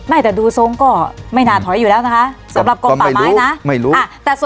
ไม่แต่ดูทรงก็ไม่น่าถอยอยู่แล้วนะคะสำหรับกลมป่าไม้นะไม่รู้